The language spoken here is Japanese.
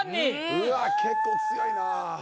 うわ結構強いなぁ。